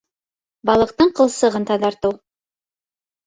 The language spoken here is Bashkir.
Балыҡтың ҡылсығын таҙартыу